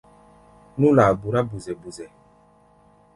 Nú-laa burá buzɛ-buzɛ.